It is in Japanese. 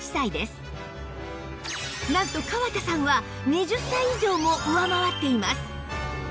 なんと川田さんは２０歳以上も上回っています